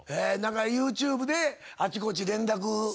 ＹｏｕＴｕｂｅであっちこっち連絡しながら。